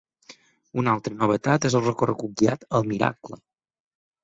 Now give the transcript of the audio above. Una altra novetat és el recorregut guiat ‘El miracle’.